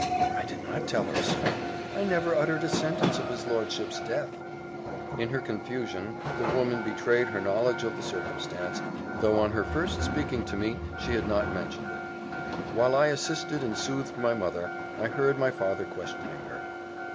"I did not tell her, sir; I never uttered a sentence of his lordship's death." In her confusion, the woman betrayed her knowledge of the circumstance, though on her first speaking to me she had not mentioned it. While I assisted and soothed my mother, I heard my father questioning her.